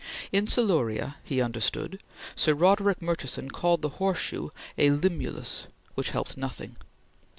In Siluria, he understood, Sir Roderick Murchison called the horseshoe a Limulus, which helped nothing.